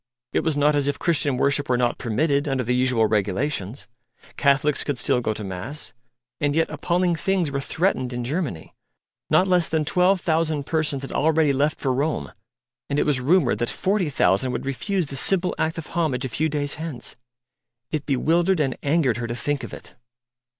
It was not as if Christian worship were not permitted, under the usual regulations. Catholics could still go to mass. And yet appalling things were threatened in Germany: not less than twelve thousand persons had already left for Rome; and it was rumoured that forty thousand would refuse this simple act of homage a few days hence. It bewildered and angered her to think of it.